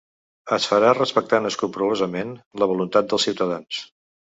Es farà respectant escrupolosament la voluntat dels ciutadans.